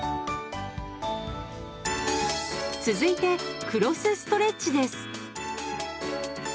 続いて「クロスストレッチ」です。